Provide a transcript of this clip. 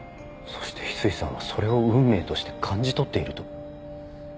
そして翡翠さんはそれを運命として感じ取っていると？